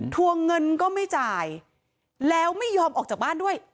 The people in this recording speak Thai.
ทวงเงินก็ไม่จ่ายแล้วไม่ยอมออกจากบ้านด้วย